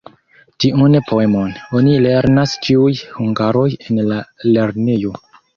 Tiun poemon oni lernas ĉiuj hungaroj en la lernejo.